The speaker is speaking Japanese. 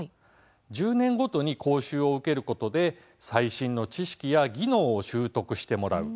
１０年ごとに講習を受けることで最新の知識や技能を修得してもらう。